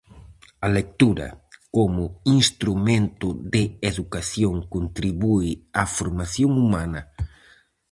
A lectura como instrumento de educación contribúe á formación humana.